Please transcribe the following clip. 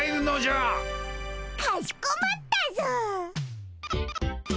かしこまったぞ！